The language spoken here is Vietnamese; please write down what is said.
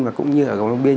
và cũng như ở cầu long biên